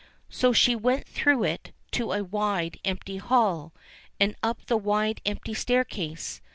So she went through it to a wide, empty hall, and up the wide empty staircase.